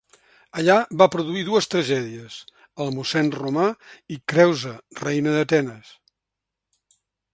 Allà va produir dues tragèdies: "El mossèn romà" i "Creusa, Reina d'Atenes".